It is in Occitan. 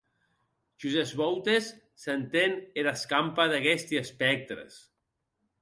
Jos es vòutes s’enten era escampa d’aguesti espèctres.